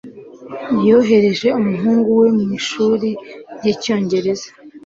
Yohereje umuhungu we mu ishuri ry’icyongereza